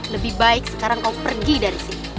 lebih baik sekarang kau pergi dari sini